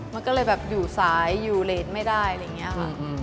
มันก็เลยแบบอยู่ซ้ายอยู่เลนไม่ได้อะไรอย่างนี้ค่ะ